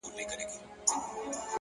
هره تجربه د ځان جوړولو برخه ده’